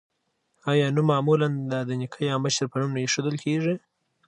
آیا نوم معمولا د نیکه یا مشر په نوم نه ایښودل کیږي؟